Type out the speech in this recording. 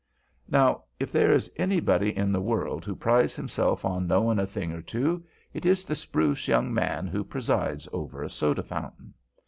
Now if there is anybody in the world who prides himself on knowing a thing or two, it is the spruce young man who presides over a soda fountain.